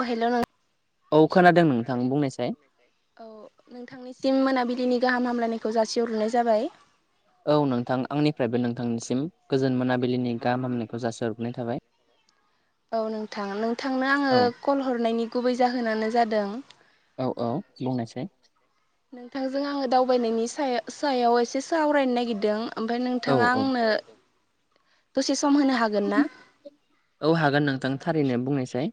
अ हेल' नों औ खोनादों नोंथां बुंनायसाय। औ नोंथांनिसिम मोनाबिलिनि गाहाम हामलायनायखौ जासिहरग्रोनाय जाबाय। औ नोंथां आंनिफ्रायबो नोंथांनिसिम गोजोन मोनाबिलिनि गाहामनायखौ जासोहरग्रोननाय थाबाय। औ नोंथां नोंथांनो आङो औ कल हरनायनि गुबै जाहोनानो जादों। औ औ बुंनायसै। नोंथांजों आङो दावबायनायनि सायाव सायाव एसे सा सावरायनो नागिरदों ओमफफ्राय औ नोंथाङा औ आंनो दसे सम होनो हागोन ना। औ हागोन नोंथां थारैनो बुंनोसै।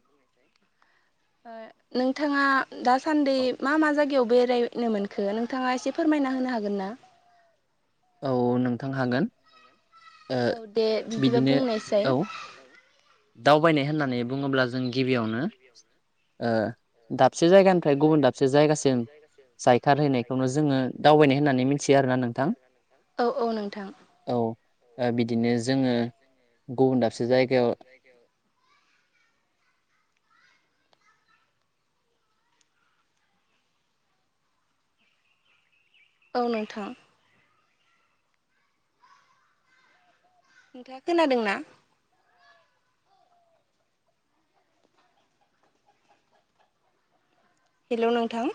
नोंथाङा दासान्दि मा मा जायगायाव बेराय नो मोनखो नोंथाङा एसे फोरमायना होनो हागोन ना। औ नोंथां हागोन औ दे बिदिबा बिदिनो बुंनायसाय औ। दावबायनाय होननानै बुङोब्ला जों गिबियावनो ओ। दाबसे जायगानिफ्राय गुबुन दाबसे जायगासिम जायखारहैनायखौनो जोङो दावबायनाय होननानै मिथियो आरोना नों औ औ नोंथां। औ बिदिनो जोङो गुबुन दाबसे जायगायाव। औ नोंथां नोंथाङा खोनादों ना। हेल' नोंथां।